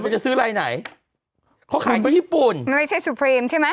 เธอจะซื้อไรไหนเขาเขาขายที่ญี่ปุ่นไม่ใช่ใช่มั้ย